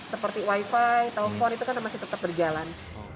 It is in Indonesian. seperti wifi telpon itu kan masih tetap berjalan